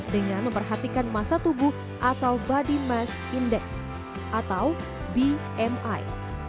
dengan memperhatikan masa tubuh atau body mass index atau bmi